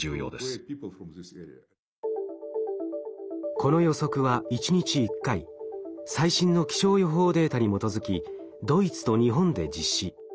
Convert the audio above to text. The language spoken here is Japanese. この予測は１日１回最新の気象予報データに基づきドイツと日本で実施。